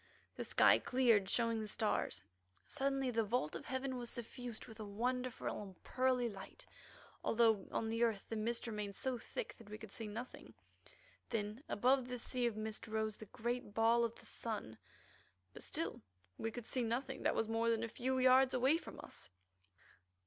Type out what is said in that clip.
The sky cleared, showing the stars; suddenly the vault of heaven was suffused with a wonderful and pearly light, although on the earth the mist remained so thick that we could see nothing. Then above this sea of mist rose the great ball of the sun, but still we could see nothing that was more than a few yards away from us.